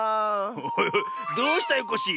おいおいどうしたよコッシー。